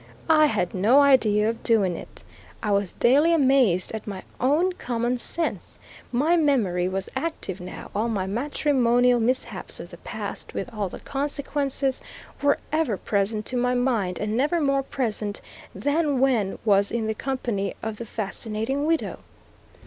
I had no idea of doing it. I was daily amazed at my own common sense. My memory was active now; all my matrimonial mishaps of the past, with all the consequences, were ever present to my mind, and never more present than when was in the company of the fascinating widow.